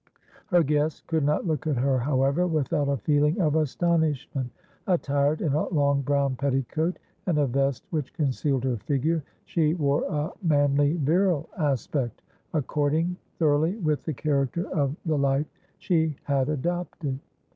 Her guest could not look at her, however, without a feeling of astonishment. Attired in a long brown petticoat, and a vest which concealed her figure, she wore a manly virile aspect, according thoroughly with the character of the life she had adopted.